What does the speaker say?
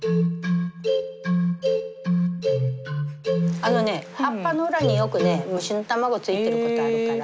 あのね葉っぱの裏によくね虫の卵ついてる事あるから。